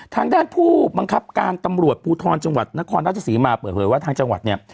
ทางด้านผู้บังคับการตำรวจภูทรจังหวัดนครราชศรีมาเปิดเผยว่าทางจังหวัดเนี่ย